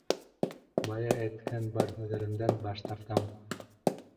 Бая әйткән бар һүҙҙәремдән баш тартам.